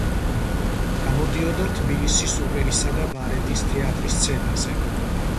გამოდიოდა თბილისის ოპერისა და ბალეტის თეატრის სცენაზე.